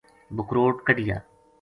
بکروٹ کڈھیا